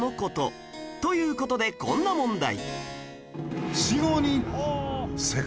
という事でこんな問題